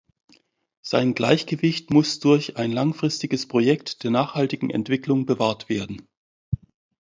Sein Gleichgewicht muss durch ein langfristiges Projekt der nachhaltigen Entwicklung bewahrt werden.